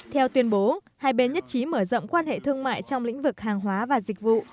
theo tuyên bố hai bên nhất trí mở rộng quan hệ thương mại trong lĩnh vực hàng hóa và dịch vụ